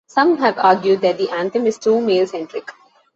Some have argued that the anthem is too male-centric.